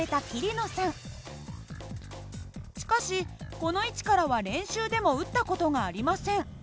しかしこの位置からは練習でも撃った事がありません。